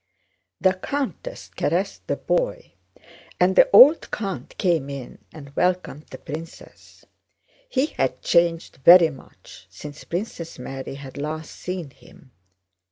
The countess caressed the boy, and the old count came in and welcomed the princess. He had changed very much since Princess Mary had last seen him.